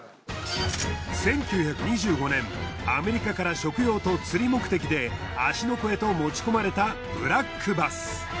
１９２５年アメリカから食用と釣り目的で芦ノ湖へと持ち込まれたブラックバス。